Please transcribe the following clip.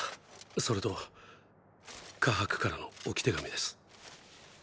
それとーーカハクからの置き手紙です。